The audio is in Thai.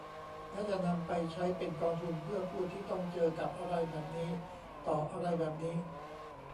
และจะนำไปใช้เป็นกองทุนเพื่อผู้ที่ต้องเจอกับอะไรแบบนี้ต่อ | อะไรแบบนี้